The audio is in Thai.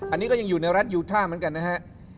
อันนี้ก็ยังอยู่ในรัฐยูท่าเหมือนกันนะฮะ